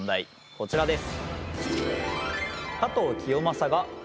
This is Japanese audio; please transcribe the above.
こちらです。